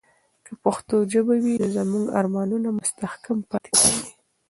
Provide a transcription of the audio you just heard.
که پښتو ژبه وي، نو زموږ ارمانونه مستحکم پاتې کیږي.